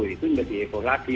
itu menjadi heboh lagi